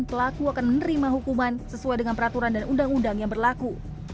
pelaku akan menerima hukuman sesuai dengan peraturan dan undang undang yang berlaku